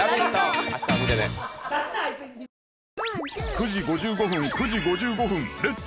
９時５５分９時５５分「レッツ！